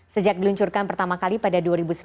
sejak diluncurkan pertama kali pada dua ribu sembilan